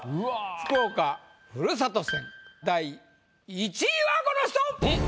福岡ふるさと戦第１位はこの人！